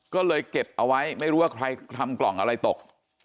ก็เลยเก็บเอาไว้ไม่รู้ว่าใครทำกล่องอะไรตก